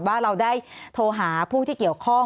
สวัสดีครับทุกคน